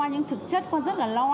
nhưng thực chất con rất là lo